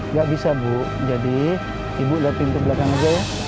nggak bisa bu jadi ibu lihat pintu belakang aja ya